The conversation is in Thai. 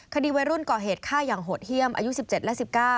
คดีวัยรุ่นก่อเหตุฆ่าอย่างโหดเยี่ยมอายุ๑๗และ๑๙